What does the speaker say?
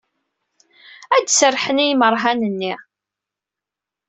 Ad d-serrḥen i imerhan-nni.